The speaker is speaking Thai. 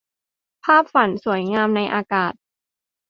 ภาพฝันสวยงามในอากาศ